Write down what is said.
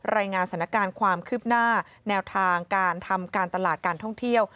รายงานสถานการณ์ความคืบหน้าแนวทางการทำการตลาดการท่องเที่ยว